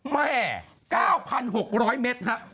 แหม่๙๖๐๐เมตร